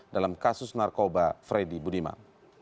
dalam kasus narkoba freddy budiman